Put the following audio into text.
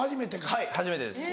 はい初めてです。